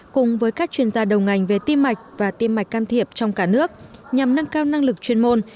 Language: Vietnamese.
cùng với các chuyên gia đầu ngành về tim mạch và tim mạch can thiệp trong cả nước nhằm nâng cao năng lực chuyên môn